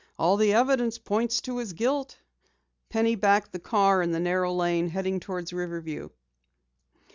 "All the evidence points to his guilt." Penny backed the car in the narrow road, heading toward Riverview.